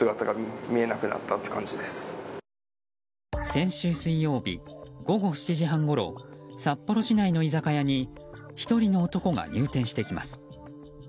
先週水曜日午後７時半ごろ札幌市内の居酒屋に１人の男が入店してきます。